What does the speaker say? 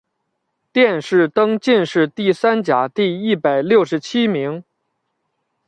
殿试登进士第三甲第一百六十七名。